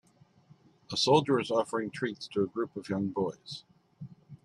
A soldier is offering treats to a group of young boys.